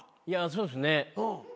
そうですね。